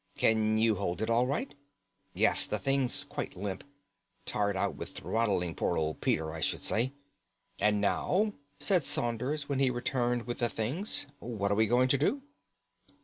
"Can you hold it all right?" "Yes, the thing's quite limp; tired out with throttling poor old Peter, I should say." "And now," said Saunders when he returned with the things, "what are we going to do?"